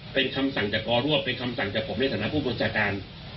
เป็นคำสั่งจากกรวบเป็นคำสั่งจากผมในฐานะผู้บัญชาการ